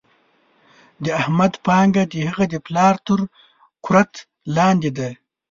د احمد پانګه د هغه د پلار تر ګورت لاندې ده.